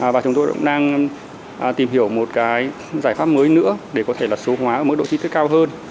và chúng tôi cũng đang tìm hiểu một giải pháp mới nữa để có thể số hóa ở mức độ chi tiết cao hơn